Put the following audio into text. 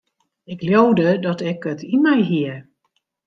Ik leaude dat ik it yn my hie.